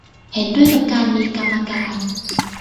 เห็นด้วยกับการมีกรรมการ